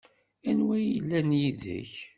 Anwa ay yellan yid-k?